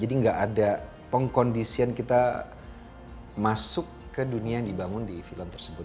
jadi nggak ada pengkondisian kita masuk ke dunia yang dibangun di film tersebut